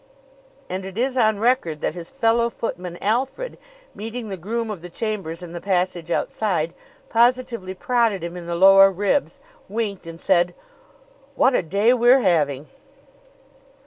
And it is on record that his fellow footman, Alfred, meeting the groom of the chambers in the passage outside, positively prodded him in the lower ribs, winked, and said: "What a day we're having!"